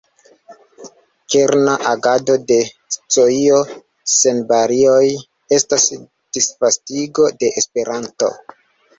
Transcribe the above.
Kerna agado de “Scio Sen Bariloj” estas disvastigo de Esperanto.